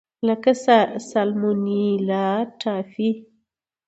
لکه سالمونیلا ټایفي.